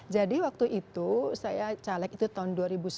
jadi waktu itu saya caleg itu tahun dua ribu sembilan